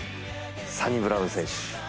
サニブラウン選手